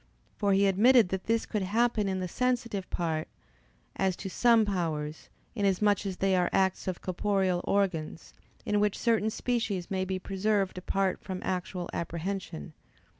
For he admitted that this could happen in the sensitive part, as to some powers, inasmuch as they are acts of corporeal organs, in which certain species may be preserved apart from actual apprehension.